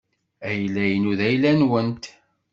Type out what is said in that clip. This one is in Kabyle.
Ayla-inu d ayla-nwent.